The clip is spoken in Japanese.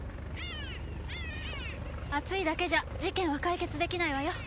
熱いだけじゃ事件は解決できないわよ。